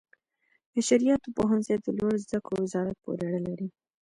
شرعیاتو پوهنځي د لوړو زده کړو وزارت پورې اړه لري.